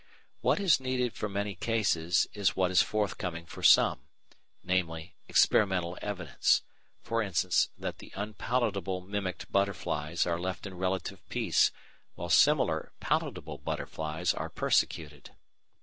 What is needed for many cases is what is forthcoming for some, namely, experimental evidence, e.g. that the unpalatable mimicked butterflies are left in relative peace while similar palatable butterflies are persecuted.